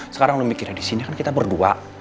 sekarang lo mikirnya disini kan kita berdua